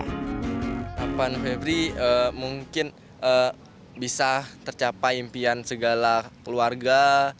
harapan febri mungkin bisa tercapai impian segala keluarga